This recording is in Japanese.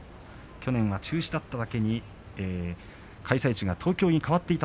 去年が中止だっただけに開催地が東京に変わりました。